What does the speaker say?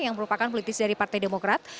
yang merupakan politis dari partai demokrat